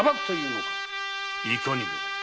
いかにも。